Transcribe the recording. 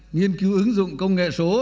nghiên cứu ứng dụng công nghệ số